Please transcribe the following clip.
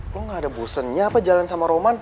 lo ga ada busennya apa jalan sama rumahnya